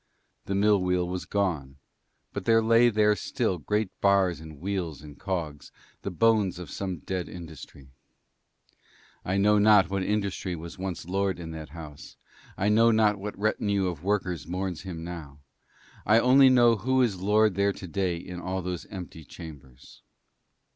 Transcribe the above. The mill wheel was gone, but there lay there still great bars and wheels and cogs, the bones of some dead industry. I know not what industry was once lord in that house, I know not what retinue of workers mourns him now; I only know who is lord there today in all those empty chambers.